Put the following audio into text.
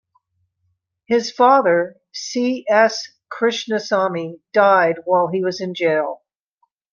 His father C. S. Krishnasamy died while he was in jail.